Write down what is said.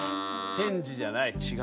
「チェンジ」じゃない。